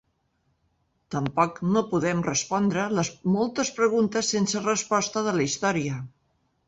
Tampoc no podem respondre les moltes preguntes sense resposta de la història.